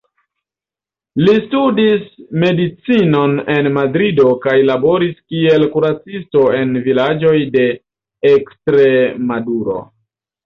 Li studis medicinon en Madrido kaj laboris kiel kuracisto en vilaĝoj de Ekstremaduro.